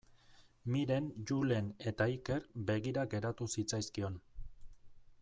Miren, Julen eta Iker begira geratu zitzaizkion.